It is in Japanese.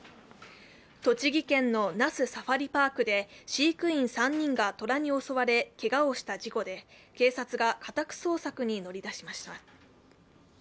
栃木県の那須サファリパークで飼育員３人が虎に襲われけがをした事故で警察が家宅捜索に乗り出しました。